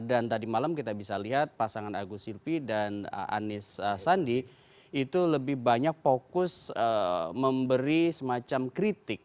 dan tadi malam kita bisa lihat pasangan agus silpi dan anies sandi itu lebih banyak fokus memberi semacam kritik